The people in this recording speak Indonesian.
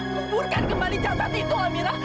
kuburkan kembali jabatan itu amira